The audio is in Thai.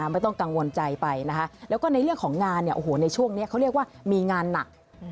ไม่ต้องกังวลใจไปนะคะแล้วก็ในเรื่องของงานเนี่ยโอ้โหในช่วงนี้เขาเรียกว่ามีงานหนัก